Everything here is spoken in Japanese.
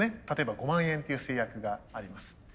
例えば５万円っていう制約があります。